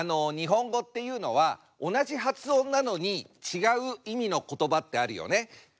日本語っていうのは同じ発音なのに違う意味の言葉ってあるよね。